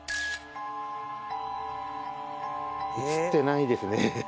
写ってないですね。